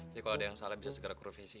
jadi kalau ada yang salah bisa segera kurvisi